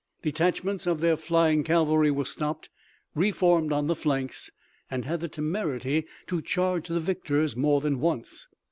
Detachments of their flying cavalry were stopped, reformed on the flanks, and had the temerity to charge the victors more than once.